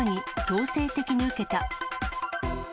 強制的に受けた。